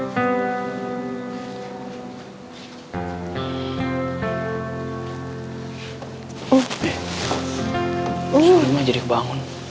soalnya emang jadi kebangun